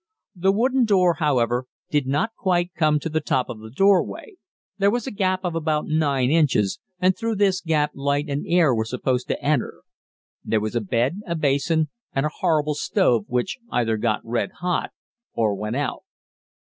The wooden door, however, did not quite come to the top of the doorway; there was a gap of about nine inches, and through this gap light and air were supposed to enter. There was a bed, a basin, and a horrible stove, which either got red hot or went out.